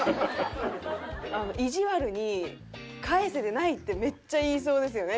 「いじわるに返せてない」ってめっちゃ言いそうですよね